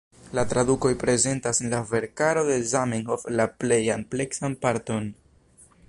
La tradukoj prezentas en la verkaro de Zamenhof la plej ampleksan parton.